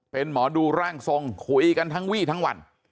เป็นหมอดูร่างทรงคุยกันทั้งวี่ทั้งวัน